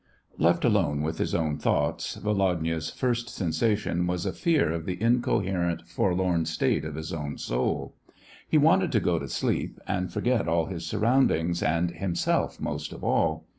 Left alone with his own thoughts, Volodya's first sensation was a fear of the incoherent, for lorn state of his own soul. He wanted to go to sleep, and forget all his surroundings, and himself most of all.